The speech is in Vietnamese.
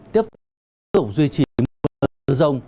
tiếp tục duy trì mưa rông